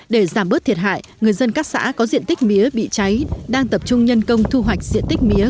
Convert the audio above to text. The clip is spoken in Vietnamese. để giảm bớt thiệt hại người dân các xã có diện tích mía bị cháy đang tập trung nhân công thu hoạch diện tích mía